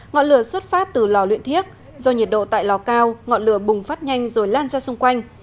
ngọn lửa xuất phát từ lò luyện thiếc do nhiệt độ tại lò cao ngọn lửa bùng phát nhanh rồi lan ra xung quanh